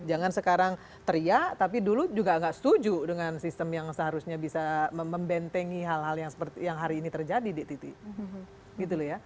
jangan sekarang teriak tapi dulu juga nggak setuju dengan sistem yang seharusnya bisa membentengi hal hal yang hari ini terjadi di titi gitu loh ya